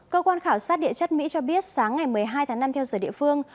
cơ quan khảo sát địa chất mỹ cho biết sáng ngày một mươi hai tháng năm theo giờ địa phương